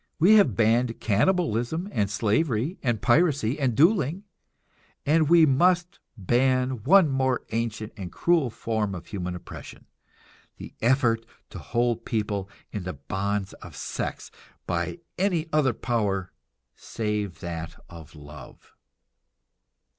We have banned cannibalism and slavery and piracy and duelling, and we must ban one more ancient and cruel form of human oppression, the effort to hold people in the bonds of sex by any other power save that of love.